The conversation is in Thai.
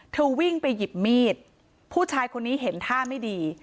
วิ่งไปหยิบมีดผู้ชายคนนี้เห็นท่าไม่ดี